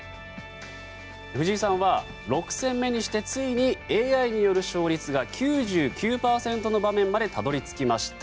藤井さんは６戦目にしてついにＡＩによる勝率が９９％の場面までたどり着きました。